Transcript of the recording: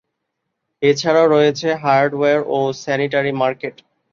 এছাড়াও রয়েছে হার্ডওয়্যার ও স্যানিটারি মার্কেট।